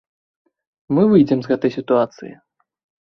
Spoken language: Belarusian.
Мы выйдзем з гэтай сітуацыі.